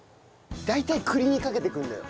大体栗にかけてくるのよ。